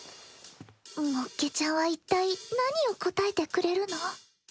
もっけちゃんは一体何を答えてくれるの？